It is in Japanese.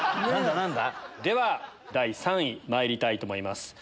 では第３位まいりたいと思います。